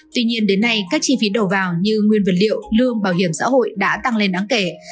tuy nhiên đến nay các chi phí đầu vào như nguyên vật liệu lương bảo hiểm xã hội đã tăng lên đáng kể